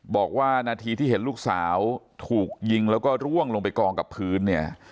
บอกว่านาทีที่เห็นลูกสาวถูกยิงแล้วก็ร่วงลงไปกองกับพื้นเนี่ย